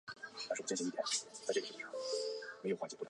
另一个被某些人认为是技术恐惧人群的是阿米什人。